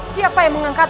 siapa yang mengangkatmu